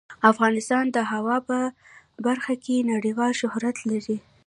افغانستان د هوا په برخه کې نړیوال شهرت لري.